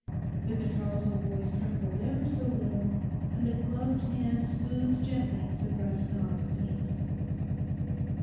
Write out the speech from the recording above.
The contralto voice trembled ever so little, and the gloved hand smoothed gently the brass knob beneath.